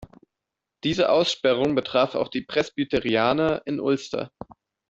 Diese Aussperrung betraf auch die Presbyterianer in Ulster.